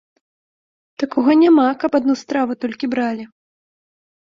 Такога няма, каб адну страву толькі бралі.